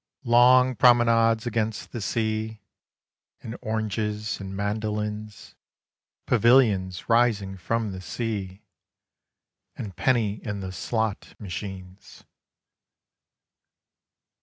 Long promenades against the sea, And oranges and mandolines ! Pavilions rising from the sea And penny in the slot machines